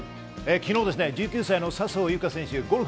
昨日１９歳の笹生優花選手、ゴルフ